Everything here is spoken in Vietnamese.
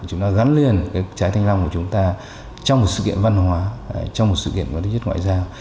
chúng ta gắn liền trái thanh long của chúng ta trong một sự kiện văn hóa trong một sự kiện có tính chất ngoại giao